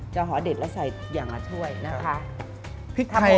หอเด็ดแล้วใส่อย่างละถ้วยนะคะ